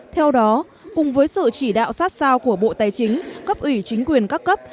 theo đó cùng với sự chỉ đạo sát sao của bộ tài chính cấp ủy chính quyền các cấp